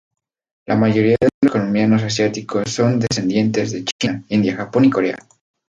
La mayoría de los colombianos asiáticos son descendientes de China, India, Japón y Corea.